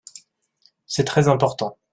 C’est très important.